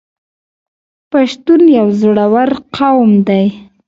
پښتون یو زړور قوم دی.